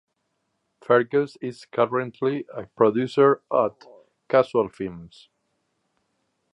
Fergus is currently a producer at Casual Films.